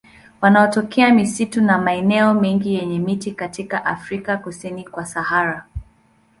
Wanatokea misitu na maeneo mengine yenye miti katika Afrika kusini kwa Sahara.